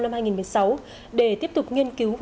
năm hai nghìn một mươi sáu để tiếp tục nghiên cứu